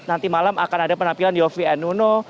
nanti malam akan ada penampilan yofi and uno